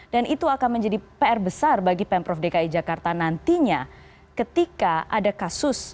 dan itu akan menjadi pr besar bagi pemprov dki jakarta nantinya ketika ada kasus